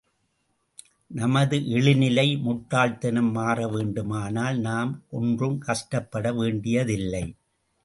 நமது இழிநிலை, முட்டாள்தனம் மாறவேண்டுமானால், நாம் ஒன்றும் கஷ்டப்பட வேண்டியதில்லை.